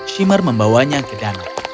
simar membawanya ke dana